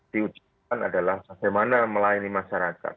diujikan adalah bagaimana melayani masyarakat